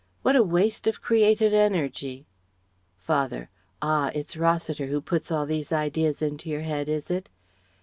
What a waste of creative energy!..." Father: "Ah it's Rossiter who puts all these ideas into your head, is it?"